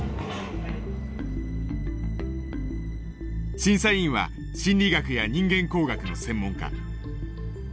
審査委員は心理学や人間工学の専門家。